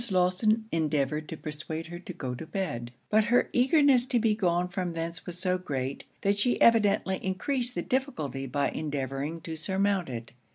Lawson endeavoured to persuade her to go to bed; but her eagerness to be gone from thence was so great, that she evidently encreased the difficulty by endeavouring to surmount it.